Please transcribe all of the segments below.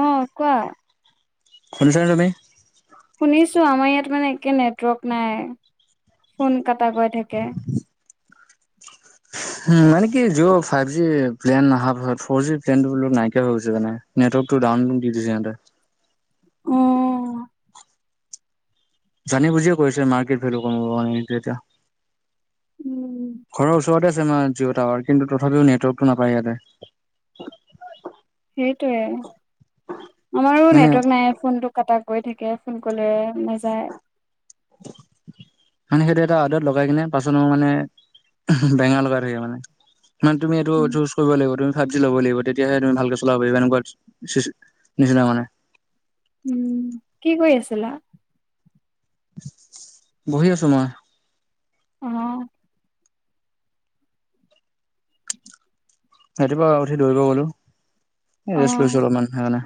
অ কোৱা। শুনিছা নে তুমি? শুনিছো আমাৰ ইয়াত মানে একে নেটৱৰ্ক নাই ফোন কাটা গাই থাকে। উম মানে কি জিঅ ফাইভ জি প্লেন অহাৰ পাছত ফৰ জি প্লেনটো বোলো নাইকিয়া হৈ গৈছে মানে। নেটৱৰ্ক টো ডাউন দি দিছে সিহঁতে। অ। জানি বুজিয়ে কৰিছে মাৰ্কেট ভেলু কমাবৰ কাৰণে সেইটো এটা। ঘৰৰ ওচৰতে আছে আমাৰ জিঅ' টাৱাৰ কিন্তু তথাপিও নেটৱৰ্কতটো নাপায় ইয়াতে। সেইটোৱে আমাৰো মানে নেটৱৰ্ক নাই ফোনটো কটা গৈ থাকে ফোন কৰিলে নাযায়। [inaudible] মানে সেইটো এটা আদত লগাই কিনে পাছত মানে বেঙেনা লগাই ধৰে মানে। মানে তুমি এইটো চুজ কৰিব লাগিব তুমি ফাইভ জি ল'ব লাগিব তেতিয়াহে তুমি ভালকে চলাব পাৰিবা এনেকুৱা নিচিনা মানে। উম কি কৰি আছিলা? বহি আছো মই। অহ। ৰাতিপুৱা উঠি দৌৰিব গলো। এ অ ৰেষ্ট লৈছো অলপমান সেইকাৰণে।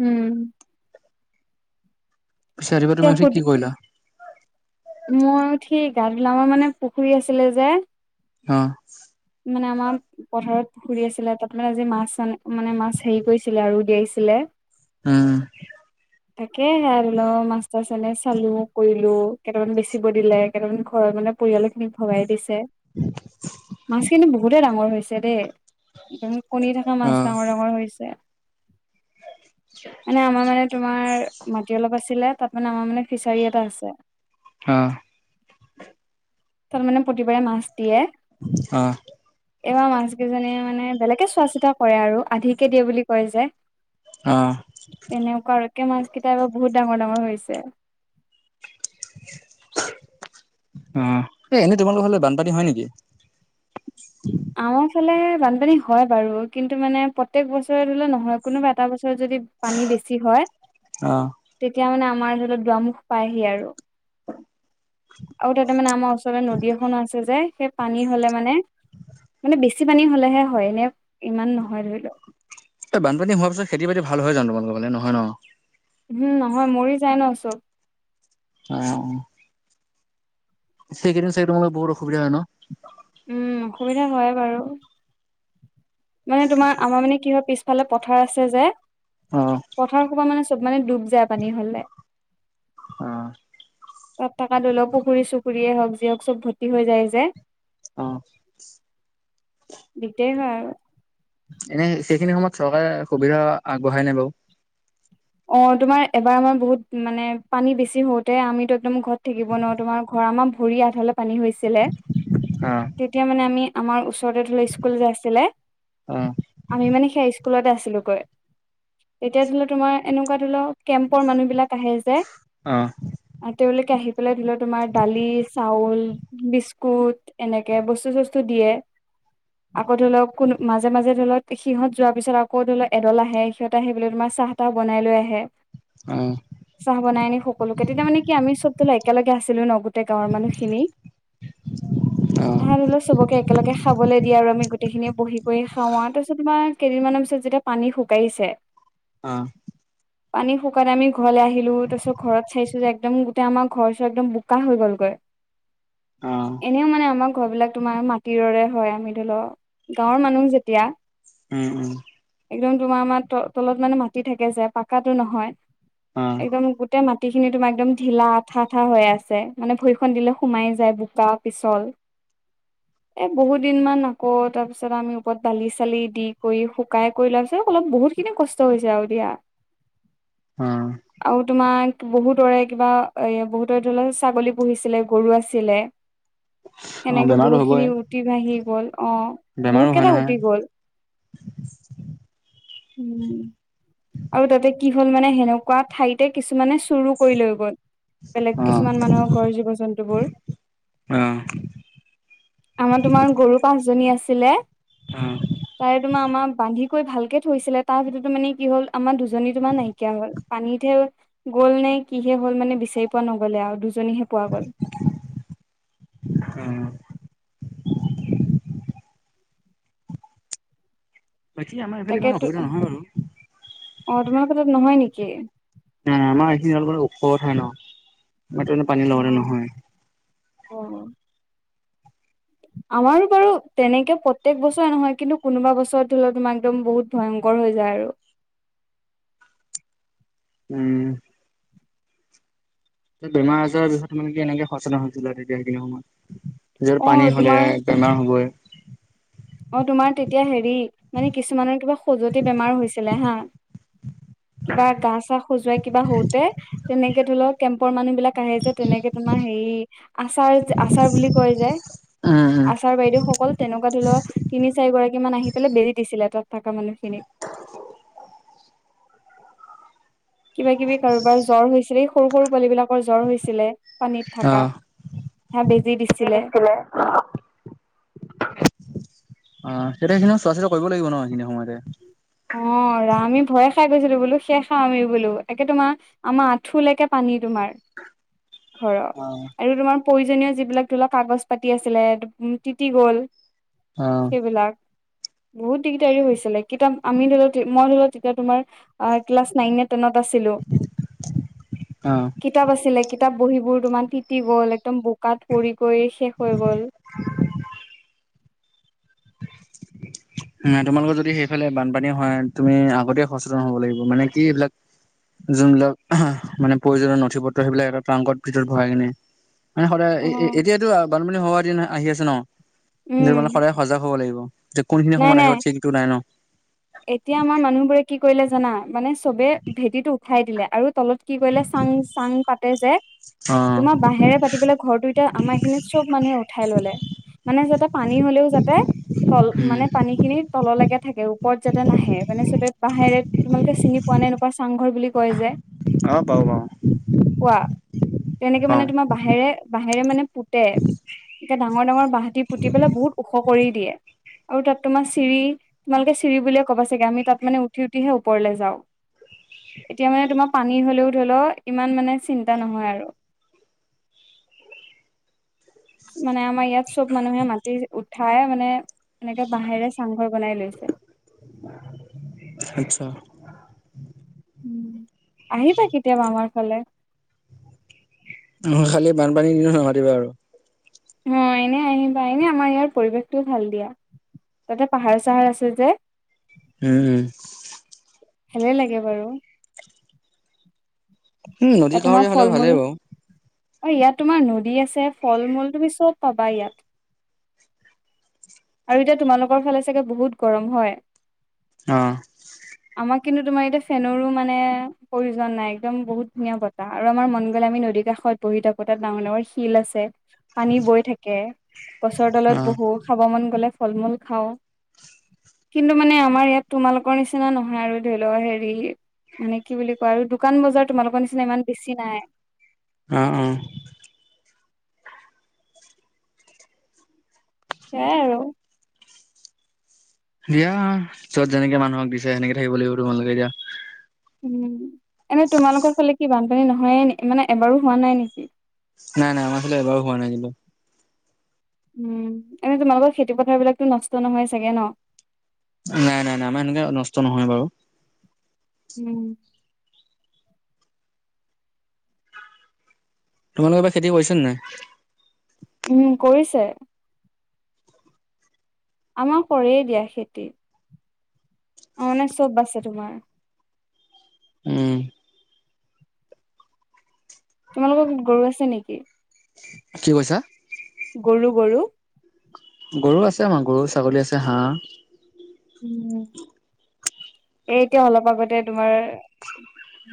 উম। পিছে ৰাতিপুৱা কিয় উঠি তুমি ফুট কি কৰিলা? মই উঠি গা ধোলা মানে পুখুৰী আছিলে যে অ। মানে আমাৰ পথাৰত পুখুৰী আছিলে তাত মানে আজি মাছ মানে মাছ হেৰি কৰিছিলে আৰু মানে উলিয়াইছিলে, হম্। তাকে ধৰিলো মাছ-টাছ এনে চালো কৰিলো কেইটামান বেচিব দিলে কেইটামান ঘৰত মানে পৰিয়াল খিনিক ভগাই দিছে। [inaudible] মাছখিনি বহুতে ডাঙৰ হৈছে দে। [unintelligible] কণী থকা মাছ অ', ডাঙৰ ডাঙৰ হৈছে। মানে আমাৰ মানে তোমাৰ মাটি অলপ আছিলে তাত মানে আমাৰ মানে ফিচাৰী এটা আছে। অ। তাত মানে প্ৰতিবাৰে মাছ দিয়ে। অ। এইবাৰ মাছ কেইজনীয়ে মানে বেলেগে চোৱা-চিতা কৰে আৰু আধিকে দিয়ে বুলি কয় যে। অঁ। তেনেকুৱা আৰু একে মাছ কেইটাই এবাৰ বহুত ডাঙৰ-ডাঙৰ হৈছে। অ, এনেই তোমালোকৰ ফালে বানপানী হয় নেকি? আমাৰ ফালে বানপানী হয় বাৰু কিন্তু মানে প্ৰত্যেক বছৰে ধৰি লোৱা নহয়। কোনোবা এটা বছৰত যদি পানী বেছি হয় অ', তেতিয়া মানে আমাৰ ধৰিলত দুৱাৰমুখ পাইহি আৰু। আৰু তাতে মানে আমাৰ ওচৰতে নদী এখনো আছে যে সেই পানী হলে মানে মানে বেছি পানী হলেহে হয়, এনে ইমান নহয় ধৰি লোৱা। এই বানপানী হোৱাৰ পিছত খেতি-বাতি ভাল হৈ জানো তোমালোকৰ ফালে নহয় ন? উম নহয় মৰি যায় ন চব। [unintelligible] অ। সেই কেইদিন চাগে তোমালোকৰ বহুত অসুবিধা হয় ন? উম অসুবিধা হয় বাৰু। মানে তোমাৰ আমাৰ মানে কি হয় পিছফালে পথাৰ আছে যে অ। পথাৰ সোপা মানে চব মানে ডুব যায় পানী হ'লে। অ। তাত থাকা ধৰি লও পুখুৰী-চুখুৰীয়ে হওক যিয়ে হওক চব ভত্তি হৈ যায় যে। অহ। দিগদাৰী হয় আৰু। এনে সেইখিনি সময়ত চৰকাৰে সুবিধা আগবঢ়াই নাই বাৰু? অ তোমাৰ এবাৰ আমাৰ বহুত মানে পানী বেছি হওঁতে আমিতো একদম ঘৰত থাকিব নোৱাৰো তোমাৰ ঘৰ আমাৰ ভৰি আধালে পানী হৈছিলে। অ', তেতিয়া মানে আমি আমাৰ ওচৰতে ধৰি লোৱা স্কুল যে আছিলে অ', আমি মানে সেই স্কুলতে আছিলোগৈ। এতিয়া ধৰি লোৱা তোমাৰ এনেকুৱা ধৰি লও কেম্পৰ মানুহবিলাক আহে যে অ। আ তেওঁলোকে আহি পেলাই ধৰি লোৱা তোমাৰ দালি, চাউল, বিচ কুট এনেকে বস্তু-চস্তু দিয়ে। আকৌ ধৰি লওক কোনো মাজে-মাজে ধৰি লওক সিহঁত যোৱাৰ পিছত আকৌ ধৰি লওক এডল আহে সিহঁতে আহি ফালে তোমাৰ চাহ-তাহ বনাই লৈ আহে। অ। চাহ বনাই আনি সকলোকে তেতিয়া মানে কি আমি চবতো একেলগে আছিলো ন গো তে গাঁৱৰ মানুহখিনি, অ', মই ভাবিলো চবকে একেলগে খাবলৈ দিয়ে আৰু আমি গোটেইখিনিয়ে বহি কৰি খাওঁ আৰু তাৰপিছত আমাক কেইদিনমানৰ পিছত যেতিয়া পানী শুকাইছে অ। পানী শুকাত আমি ঘৰলৈ আহিলো, তাৰ পিছত ঘৰত চাইছো যে একদম গোটেই আমাৰ ঘৰ-চৰ একদম বোকা হৈ গ'লগৈ। অহ। এনেও মানে আমাৰ ঘৰবিলাক তোমাৰ মাটিৰৰে হয়, আমি ধৰি লও গাঁৱৰ মানুহ যেতিয়া উম উম। একদম তোমাৰ আমাৰ ত তলত মানে মাটি থাকে যে পাকাটো নহয়? অ', একদম গো তে মাটিখিনি তোমাৰ একদম ঢিলা আঠা-আঠা হৈ আছে মানে ভৰিখন দিলে সোমাই যায় বোকা পিছল। [inaudible] এ বহুত দিন মান আকৌ তাৰপিছত আমি ওপৰত বালি-চালি দি কৰি শুকাই কৰি লোৱাৰ পিছত অলপ বহুত কিনে কষ্ট হৈছে আৰু দিয়া। অঁ অ অ। আৰু তোমাক বহুতৰে কিবা এ বহুতৰে ধৰি লও ছাগলী পুহিছিলে, গৰু আছিলে। অ', সেনেকে বেমাৰতো হ'বই। বহুতখিনি উটি ভাহি গ'ল অ অ অ। বেমাৰো হয় নহয়? উম উ উ উ। আৰু তাতে কি হ'ল মানে সেনেকুৱা ঠাইতে কিছুমানে চুৰু কৰি লৈ গল। বেলেগ অ', কিছুমান মানুহৰ ঘৰৰ জীৱ-জন্তু বোৰ। অ অ অ ঢি উ। আমাৰ তোমাৰ গৰু পাঁচজনী আছিলে। অ হ হ অ। তাৰে তোমাৰ আমাৰ বান্ধি কৰি ভালকে থৈছিলে, তাৰ ভিতৰতো মানে কি হল আমাৰ দুজনী তোমাৰ নাইকিয়া হল। পানীতহে গ'ল নে কিহে হ'ল মানে বিচাৰি পোৱা নগলে আৰু দুজনীহে পোৱা গ'ল। ঢি উ ঢি উ উম উ উ ঢি ঢি ঢি উ। হু চু বাকী আমাৰ এইফালে ইমান তাকে অসুবিধা নহয় বাৰু। অ তোমালোকৰ তাত নহয় নেকি? নাই আমাৰ এইখিনি অলপ মানে ওখ ঠাই ন। হয়তো অ অ অ, অ অ। আমাৰো বাৰু তেনেকে প্ৰত্যেক বছৰে নহয়। কিন্তু কোনোবা বছৰত হ'লেও তোমাৰ একদম বহুত ভয়ংকৰ হৈ যায় আৰু উম উ উ উ। যে বেমাৰ - আজাৰৰ বিষয়ত মানে কি এনেকে সচেতন হৈছিলে এনেকে সেইখিনি সময়ত, নিজৰ অ পানী হলে তোমাৰ বেমাৰ হ'বই। অ তোমাৰ তেতিয়া হেৰি মানে কিছুমানৰ কিবা খজুৱতি বেমাৰ হৈছিলে হা। কিবা গা-চা খজুৱাই কিবা হওঁতে, তেনেকে ধৰি লওক কেম্পৰ মানুহবিলাক তাই যে তেনেকে তোমাৰ হেৰি আচাৰ যে আচাৰ বুলি কয় যে। উম, উম। আচাৰ বাইদেউসকল তেনেকুৱা ধৰিলও তিনি চাৰিগৰাকী মান আহি পেলাই বেজি দিছিলে তাত থাকা মানুহখিনিক। কিবা-কিবি কাৰোবাৰ জ্বৰ হৈছিলে এই সৰু-সৰু পোৱালিবিলাকৰ জ্বৰ হৈছিলে। পানীত থাকা, অ'। অ', সেয়া বেজি দিছিলে। ঠ ই অ অ অ তেতিয়া এইখিনিও চোৱা-চিতা কৰিব লাগিব ন এইখিনি সময়তে। অ ৰা আমি ভয়ে খাই গৈছিলো বোলো শেষ খাওঁ আমি বোলো, একে তোমাৰ আমাৰ আঁঠুলৈকে পানী তোমাৰ। কু উ। ঘৰ আৰু এইটো তোমাৰ প্ৰয়োজনীয় যিবিলাক ধৰিলওক কাগজ পাতি আছিলে ডুব উম তিতি গ'ল। সেইবিলাক বহুত দিগদাৰী হৈছিলে কিতাপ আমি ধৰিলও তি মই ধৰিলও তেতিয়া তোমাৰ। ইস্ আৰ ক্লাছ নাইন নে টেনত আছিলো। অ'। কিতাপ আছিলে কিতাপ বহীবোৰ তোমান তিতি গ'ল একদম বোকাত পৰি গৈ শেষ হৈ গ'ল। উ উ উ অ এ আ [unintelligible] চ, এ এ এ তোমালোকৰ যদি সেইফালে বানপানী হয় তুমি আগতে সচেতন হ'ব লাগিব মানে কি এইবিলাক যোনবিলাক এহ্ হা আ মানে প্ৰয়োজনীয় নথি-পত্ৰ সেইবিলাক এটা ট্ৰাংকত ভিতৰত ভৰাই কিনে। মানে সদায় অ এ এ এতিয়াতো বানপানী হোৱা দিন আহি আছে ন মানে নিজৰ উম মানে সদায় সজাগ হ'ব লাগিব। যে, কোনখিনি নাই সময়ত আহিব নাই চিনটো নাই ন। এতিয়া আমাৰ মানুহবোৰে কি কৰিলে জানা, মানে চবে ভেটিটো উঠাই দিলে আৰু তলত কি কৰিলে চাং-চাং পাতে যে, অ', তোমাৰ বাহেৰে পাতি পেলাই ঘৰটো এতিয়া আমাৰ এইখিনিত চব মানুহে উঠাই ললে মানে যাতে পানী হলেও যাতে তল উম, মানে পানী খিনি তললৈকে থাকে। ওপৰত যাতে নাহে মানে চবে বাহেৰে তোমালোকে চিনি পোৱা নে নোপোৱা চাংঘৰ বুলি কয় যে। অ', পাওঁ পাওঁ কোৱা তেনেকে মানে পাওঁ তোমাৰ বু বাঁহেৰে, বাঁহেৰে মানে পুতে, এতিয়া ডাঙৰ ডাঙৰ বাঁহ দি পুতি পেলায় বহুত ওখ কৰি দিয়ে, আৰু তাত তোমাৰ চিৰি তোমালোকে চি- চিৰি বুলিয়ে ক'বা চাগে আমি তাত মানে উঠি উঠিে হে ওপৰলে যাওঁ। এতিয়া মানে তোমাৰ পানী হলেও ধৰি লও ইমান মানে চিন্তা নহয় আৰু। মানে আমাৰ ইয়াত চব মানুহে মাটি উঠাই মানে। এনেকে বাহেৰে চাংঘৰ বনাই লৈছে। আত্চ্ছা। উম, আহিবা কেতিয়াবা আমাৰ ফালে। অ খালি বানপানীৰ দিনত নামাতিবা আৰু। অ এনে আহিবা এনে আমাৰ ইয়াৰ পৰিৱেশটোও ভাল দিয়া, তাতে পাহাৰ চাহাৰ আছে যে। উম উম। হেলে লাগে বাৰু। উম নদী এ তোমাক কাষৰীয়া হ'লে ফল ভালেই মূলো। বাৰু ইয়াত তোমাৰ নদী আছে ফল মূল তুমি চব পাবা ইয়াত। আৰু এতিয়া তোমালোকৰ ফালে চাগে বহুত গৰম হয়। অ। আমাৰ কিন্তু তোমাৰ এতিয়া ফেনৰো মানে প্ৰয়োজন নাই একদম বহুত ধুনীয়া বতাহ আৰু আমাৰ মন গ'লে আমি নদী কাষ সৌৱাত বহি থাকো তাত ডাঙৰ ডাঙৰ শিল আছে। পানী বৈ থাকে, গছৰ অ তলত বহো খাব মন গলে ফল মূল খাওঁ। কিন্তু মানে আমাৰ ইয়াত তোমালোকৰ নিচিনা নহয় আৰু ধৰি ল হেৰি মানে কি বুলি কোৱা আৰু দোকান বজাৰ তোমালোকৰ নিচিনা ইমান বেছি নাই। অ অ। সেইয়াই আৰু। দিয়া য'ত যেনেকে মানুহক দিছে সেনেকে থাকিব লাগিব তোমালোকে এতিয়া উম, এনেই তোমালোকৰ ফালে কি বানপানী নহয়ে মানে এবাৰো হোৱা নাই নেকি? নাই নাই আমাৰ ফালে এবাৰ হোৱা নাই কিন্তু। উম, এনে তোমালোকৰ খেতি পথাৰ বিলাকতো নষ্ট নহয় চাগে ন? নাই নাই নাই আমাৰ সেনেকে নষ্ট নহয় বাৰু। উম। তোমালোকে এইবা খেতি কৰিছে নে নাই? উম কৰিছে। আমাৰ কৰে দিয়া খেতি। অনে চব বাছে তোমাৰ। উম। তোমালোকৰ গৰু আছে নেকি? কি কৈছা? গৰু গৰু। গৰু আছে আমাৰ গৰু ছাগলী আছে হাঁহ। উম, এই এতিয়া অলপ আগতে তোমাৰ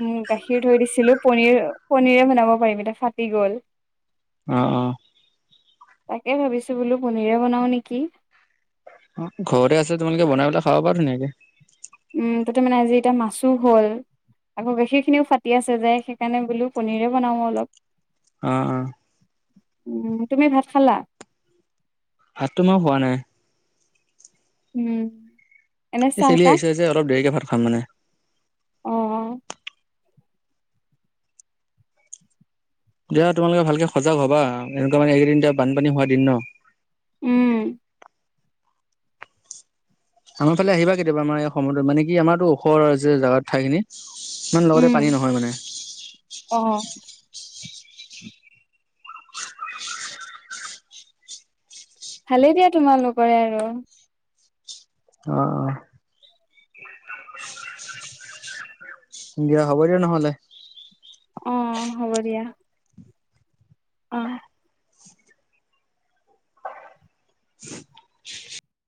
উ গাখীৰ থৈ দিছিলো পনীৰ পনীৰে বনাব পাৰিম এতিয়া ফাটি গ'ল। অ অ। তাকে ভাবিছো বোলো পনীৰে বনাও নেকি? অ ঘৰতে আছে তোমালোকে বনাই পেলাই খাব পাৰা ধুনীয়াকে। উম তাতে মানে আজি এতিয়া মাছো হ'ল। আকৌ গাখীৰ খিনিও ফাটি আছে যে সেইকাৰণে বোলো পনীৰে বনাওঁ অলপ। অ অ। উ তুমি ভাত খালা? ভাত তো মই খোৱা নাই। উম। এনে এ চাহ চেলি তাহ আহিছে যে অলপ দেৰিকে ভাত খাম মানে। অ, অ। দিয়া তোমালোকে ভালকে সজাগ হ'বা। এনেকুৱা মানে এইকেইদিন এতিয়া বানপানী হোৱা দিন ন। উম। আমাৰ ফালে আহিবা কেতিয়াবা। আমাৰ এই [unintelligible] মানে কি আমাৰতো ওখৰ যে জাগা ঠাইখিনি। ইমান লগতে উম পানী নহয় মানে। অ। ভালেই দিয়া তোমালোকৰে আৰু। অ, অ। [inaudible] দিয়া হ'ব দিয়া নহ'লে। অ, হ'ব দিয়া। অ। [inaudible]